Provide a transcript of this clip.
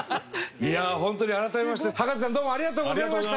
いやホントに改めまして葉加瀬さんどうもありがとうございました。